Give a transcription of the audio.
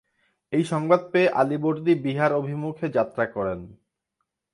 এই সংবাদ পেয়ে আলীবর্দী বিহার অভিমুখে যাত্রা করেন।